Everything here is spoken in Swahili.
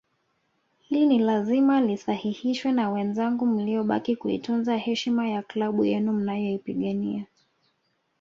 Hili ni lazima lisahihishwe na wenzangu mliobaki kuitunza heshima ya klabu yenu mnayoipigania